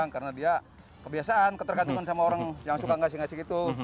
karena dia kebiasaan ketergantungan sama orang yang suka ngasih ngasih gitu